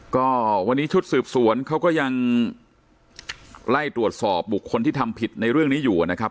ก็วันนี้ชุดสืบสวนเขาก็ยังไล่ตรวจสอบบุคคลที่ทำผิดในเรื่องนี้อยู่นะครับ